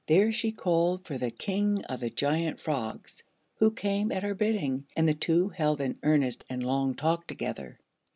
There she called for the King of the Giant Frogs, who came at her bidding, and the two held an earnest and long talk together.